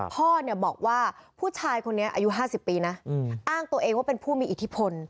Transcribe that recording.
พ่อเนี่ยบอกว่าผู้ชายคนนี้อายุ๕๐ปีนะอ้างตัวเองว่าเป็นผู้มีอิทธิพล